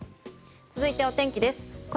続いてお天気です。